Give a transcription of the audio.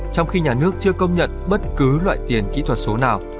trong khi nhà nước chưa công nhận bất cứ loại tiền kỹ thuật số nào